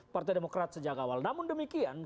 partai demokrat sejak awal namun demikian